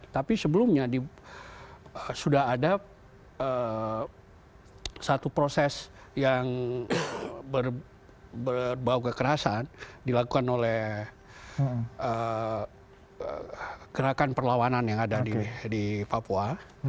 tapi sebelumnya sudah ada satu proses yang berbau kekerasan dilakukan oleh gerakan perlawanan yang ada di papua